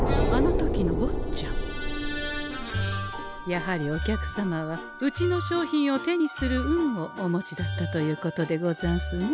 やはりお客様はうちの商品を手にする運をお持ちだったということでござんすね。